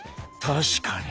確かに！